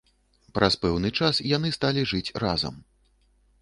Праз пэўны час яны сталі жыць разам.